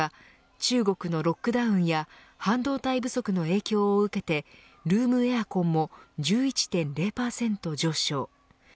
中国のロックダウンや半導体不足の影響を受けてルームエアコンも１１．０％上昇。